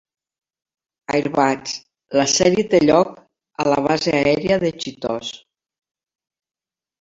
Airbats, la sèrie té lloc a la base aèria de Chitose.